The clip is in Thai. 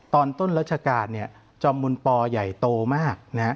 ตอนต้นรัชกาลจอมบุญปอใหญ่โตมาก